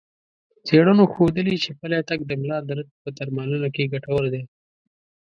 څېړنو ښودلي چې پلی تګ د ملا درد په درملنه کې ګټور دی.